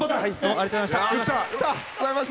ありがとうございます。